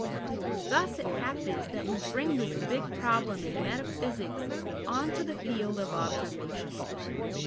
Thus it happens that we bring this big problem in metaphysics on to the field of observation.